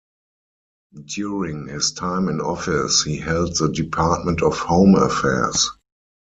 During his time in office he held the Department of Home Affairs.